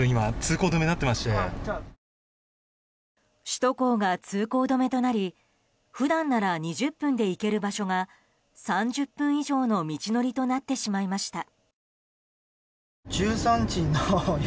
首都高が通行止めとなり普段なら２０分で行ける場所が３０分以上の道のりとなってしまいました。